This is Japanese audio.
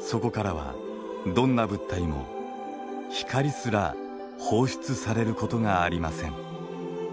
そこからはどんな物体も光すら放出されることがありません。